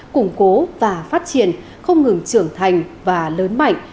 củng cố và phát triển không ngừng trưởng thành và lớn mạnh